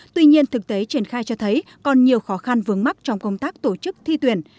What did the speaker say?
tuy nhiên thực tế triển khai cho thấy còn nhiều khó khăn vướng mắt trong công tác tổ chức thi tuyển